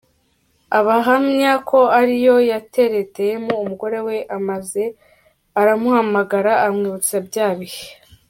ahamya ko ariyo yatereteyemo umugore we maze aramuhamagara amwibutsa bya bihe